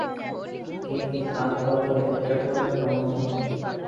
কিন্তু তার বদলে এটা করলে কেমন হয়?